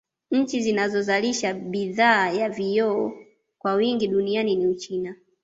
Nchi zinazozalisha bidhaa ya vioo kwa wingi duniani ni Uchina